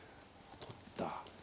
取った。